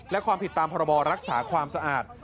และความผิดตามพรบรักษาความสะอาด